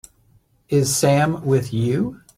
Is Sam with you?